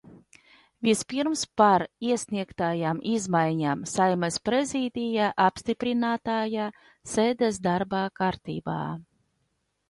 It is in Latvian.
Vispirms par iesniegtajām izmaiņām Saeimas Prezidija apstiprinātajā sēdes darba kartībā.